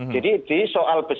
jadi di soal besar